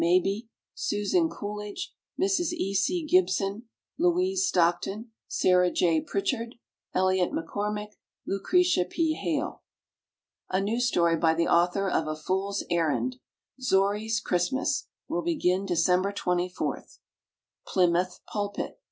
MABIE, SUSAN COOLIDGE, Mrs. E. C. GIBSON, LOUISE STOCKTON, SARAH J. PRICHARD, ELIOT MCCORMICK, LUCRETIA P. HALE. A NEW STORY BY THE AUTHOR OF "A Fool's Errand," 'ZOURI'S CHRISTMAS, Will begin Dec. 24th. PLYMOUTH PULPIT.